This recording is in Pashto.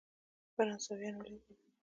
فرانسویان ولیدل.